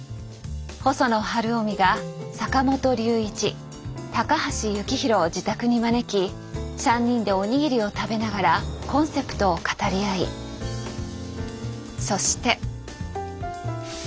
細野晴臣が坂本龍一高橋幸宏を自宅に招き３人でお握りを食べながらコンセプトを語り合いそして。